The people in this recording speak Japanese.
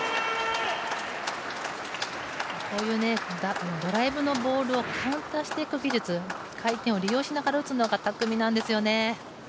こういう、ドライブのボールをカウンターしていく技術回転を利用しながら打つのが巧みなんですよね。